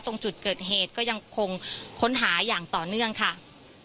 ตรงจุดเกิดเหตุก็ยังคงค้นหาอย่างต่อเนื่องค่ะ